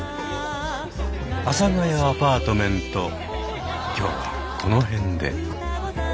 「阿佐ヶ谷アパートメント」今日はこの辺で。